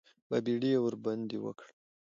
بابېړي یې ورباندې وکړ.